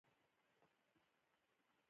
هغه وويل چې موږ به وروسته درشو.